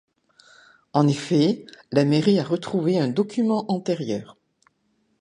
En effet la mairie a retrouvé un document antérieur.